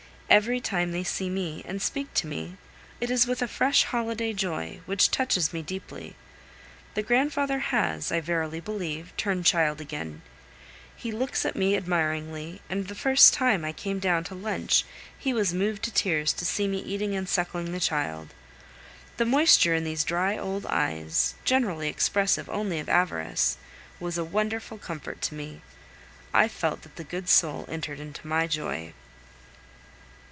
Every time they see me and speak to me, it is with a fresh holiday joy, which touches me deeply. The grandfather has, I verily believe, turned child again; he looks at me admiringly, and the first time I came down to lunch he was moved to tears to see me eating and suckling the child. The moisture in these dry old eyes, generally expressive only of avarice, was a wonderful comfort to me. I felt that the good soul entered into my joy.